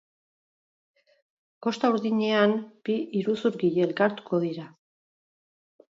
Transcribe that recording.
Kosta Urdinean bi iruzurgile elkartuko dira.